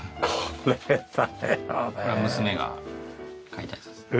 これは娘が描いたやつですね。